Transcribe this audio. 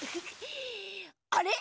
あれ？